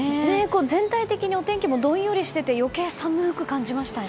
全体的にお天気もどんよりしていて余計に寒く感じましたね。